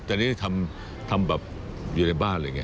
อ๋อตัวนี้ทำอยู่ในบ้านเลยไง